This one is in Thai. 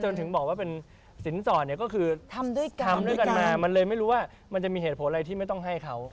จนถึงบอกว่าเป็นศิลป์สอนก็คือทำด้วยกันมามันเลยไม่รู้ว่ามันจะมีเหตุผลอะไรที่ไม่ต้องให้เขา